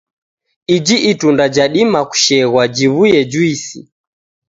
Iji itunda jadima kusheghwa jiw'uye juisi.